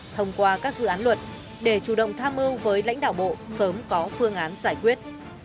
thông qua các dự án luật để chủ động tham mưu với lãnh đạo bộ sớm có phương án giải quyết